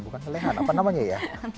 bukan selehan apa namanya ya